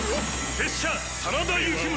拙者真田幸村！